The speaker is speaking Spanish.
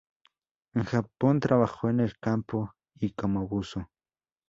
En Japón trabajó en el campo y como buzo.